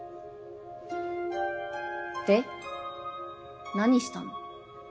で何したの？